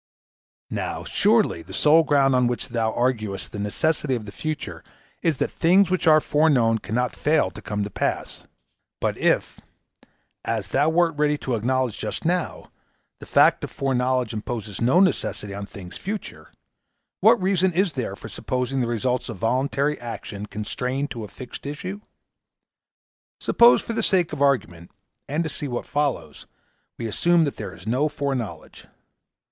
Now, surely the sole ground on which thou arguest the necessity of the future is that things which are foreknown cannot fail to come to pass. But if, as thou wert ready to acknowledge just now, the fact of foreknowledge imposes no necessity on things future, what reason is there for supposing the results of voluntary action constrained to a fixed issue? Suppose, for the sake of argument, and to see what follows, we assume that there is no foreknowledge.